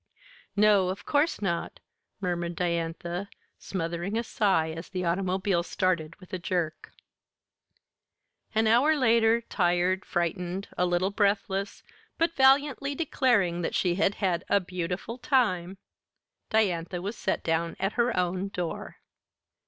"No, of course not," murmured Diantha, smothering a sigh as the automobile started with a jerk. An hour later, tired, frightened, a little breathless, but valiantly declaring that she had had a "beautiful time," Diantha was set down at her own door.